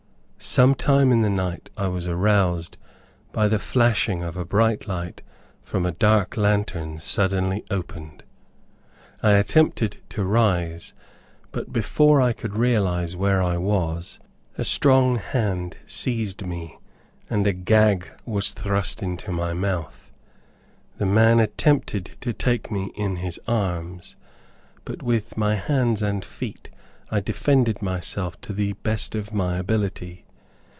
Some time in the night I was aroused by the flashing of a bright light from a dark lantern suddenly opened. I attempted to rise, but before I could realize where I was, a strong hand seized me and a gag was thrust into my mouth. The man attempted to take me in his arms, but with my hands and feet I defended myself to the best of my ability.